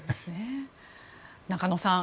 中野さん